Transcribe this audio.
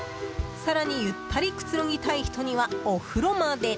更にゆったりくつろぎたい人にはお風呂まで！